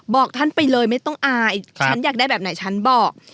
บอกท่านไปเลยไม่ต้องอายฉันอยากได้แบบไหนฉันบอก